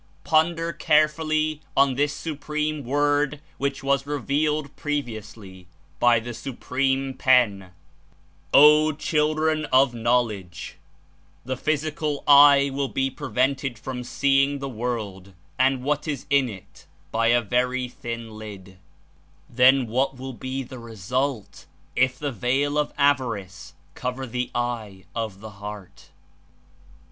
Ponder carefully on this Supreme Word which was revealed previous ly by the Supreme Pen, 'O children of knowledge : the physical eye will be prevented from seeing the world and what Is in It by a very thin lid; then what will be the result If the veil of avarice cover the eye of the heart'."